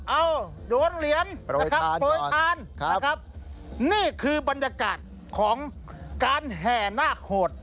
โดนเหรียญนะครับโปรยทานนะครับนี่คือบรรยากาศของการแห่นาคโหด